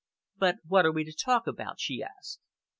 "But what are we to talk about?" she asked.